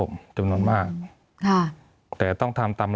มีความรู้สึกว่ามีความรู้สึกว่า